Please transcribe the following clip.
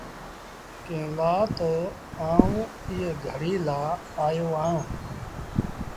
ڪݩهݩ لآ تا آئوٚنٚ ايٚئي گھڙيٚ لآ آيو اهآنٚ۔